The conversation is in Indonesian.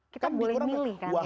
kita boleh milih kan